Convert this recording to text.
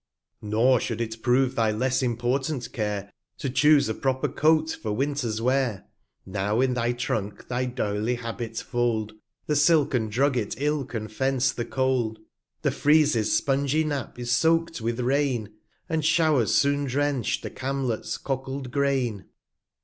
40 Nor should it prove thy less important Care, To chuse a proper Coat for Winter's Wear. Now in thy Trunk thy Doily Habit fold, The silken Drugget ill can fence the Cold ; The Frieze's spongy Nap is soak'd with Rain, 45 TRIVIA 5 And Show'rs soon drench the Camlet's cockled Grain.